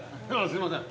すいません。